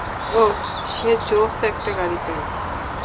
ওহ, সে জোস একটা গাড়ি চালায়।